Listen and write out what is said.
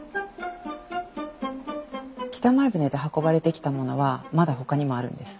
北前船で運ばれてきたものはまだほかにもあるんです。